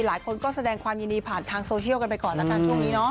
หลายคนก็แสดงความยินดีผ่านทางโซเชียลกันไปก่อนแล้วกันช่วงนี้เนาะ